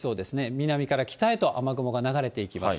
南から北へと雨雲が流れていきます。